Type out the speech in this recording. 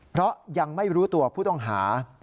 เพราะยังไม่รู้ตัวผู้ต้องหา